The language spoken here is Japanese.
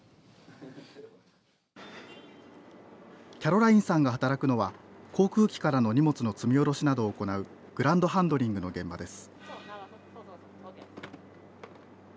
キャロラインさんが働くのは航空機からの荷物の積み下ろしなどを行うグランドハンドリングの現場です。